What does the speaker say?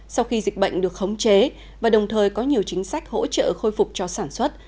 sau khi dịch bệnh được khống chế và đồng thời có nhiều chính sách hỗ trợ khôi phục cho sản xuất